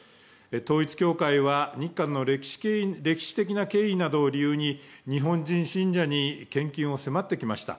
統一教会は日韓の歴史的ないきさつなどを理由に日本人信者に献金を迫ってきました。